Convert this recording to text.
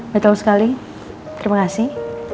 betul sekali terima kasih